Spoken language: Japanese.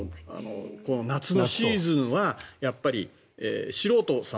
夏のシーズンはやっぱり素人さん